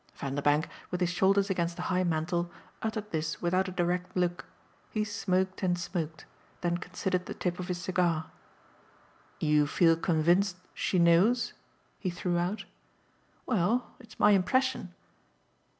Vanderbank, with his shoulders against the high mantel, uttered this without a direct look; he smoked and smoked, then considered the tip of his cigar. "You feel convinced she knows?" he threw out. "Well, it's my impression."